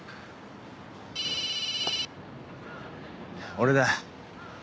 俺だ。